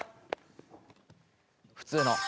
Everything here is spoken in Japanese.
普通の。